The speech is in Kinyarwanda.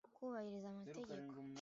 kubahiriza amategeko